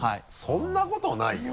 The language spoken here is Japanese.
そんなことないよ。